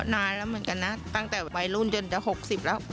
นานแล้วเหมือนกันนะตั้งแต่วัยรุ่นจนจะ๖๐แล้ว